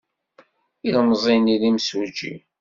Ilemẓi-nni d imsujji.